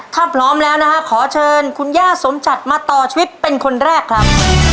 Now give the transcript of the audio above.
ถ้าพร้อมแล้วนะฮะขอเชิญคุณย่าสมจัดมาต่อชีวิตเป็นคนแรกครับ